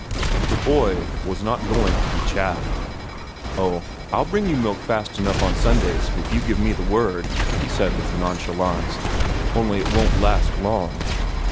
The boy was not going to be chaffed. "Oh, I'll bring you milk fast enough on Sundays, if you give me the word," he said with nonchalance. "Only it won't last long."